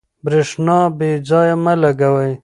برېښنا بې ځایه مه لګوئ.